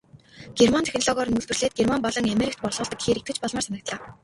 Герман технологиор нь үйлдвэрлээд Герман болон Америкт борлуулдаг гэхээр итгэж болмоор санагдлаа.